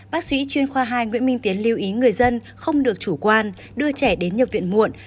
bác sĩ chuyên khoa hai nguyễn minh tiến lưu ý người dân không được chủ quan đưa trẻ đến nhập viện muộn